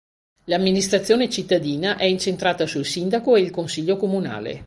L'amministrazione cittadina è incentrata sul sindaco e il consiglio comunale.